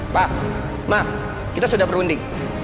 pak mah kita sudah berunding